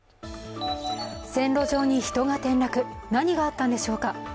線路上に人が転落何があったんでしょうか。